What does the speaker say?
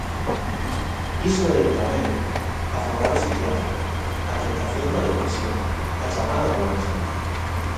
Iso é, tamén, aforrar o psiquiatra, a tentación da depresión, a chamada do abismo.